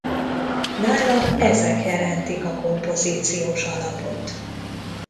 Nála ezek jelentik a kompozíciós alapot.